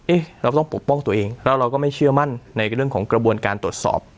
เราต้องปกป้องตัวเองแล้วเราก็ไม่เชื่อมั่นในเรื่องของกระบวนการตรวจสอบ